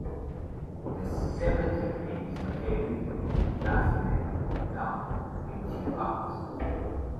The cemetery is located in Glasnevin, Dublin, in two parts.